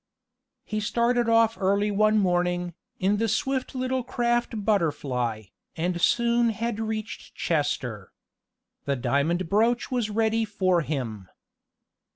He started off early one morning, in the swift little craft Butterfly, and soon had reached Chester. The diamond brooch was ready for him.